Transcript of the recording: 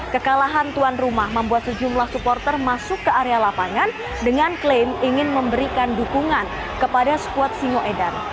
kekalahan tuan rumah membuat sejumlah supporter masuk ke area lapangan dengan klaim ingin memberikan dukungan kepada squad singoedan